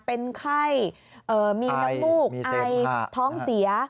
เป็นไข้มีน้ำมูกไอท้องเสีย